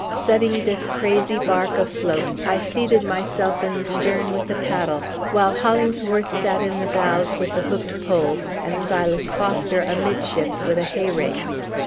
Setting this crazy bark afloat, I seated myself in the stern with the paddle, while Hollingsworth sat in the bows with the hooked pole, and Silas Foster amidships with a hay rake.